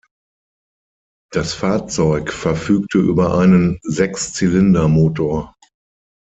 Das Fahrzeug verfügte über einen Sechszylindermotor.